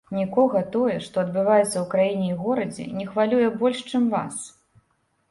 Нікога тое, што адбываецца ў краіне і горадзе, не хвалюе больш, чым вас.